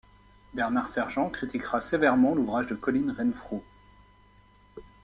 Bernard Sergent critiquera sévèrement l'ouvrage de Colin Renfrew.